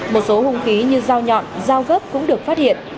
một số hùng khí như dao nhọn dao gớp cũng được phát hiện